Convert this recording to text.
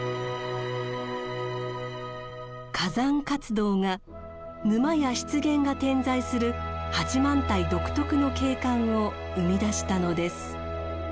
火山活動が沼や湿原が点在する八幡平独特の景観を生み出したのです。